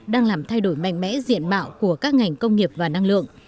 đang làm thay đổi mạnh mẽ diện mạo của các ngành công nghiệp và năng lượng